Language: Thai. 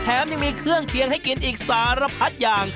ยังมีเครื่องเคียงให้กินอีกสารพัดอย่าง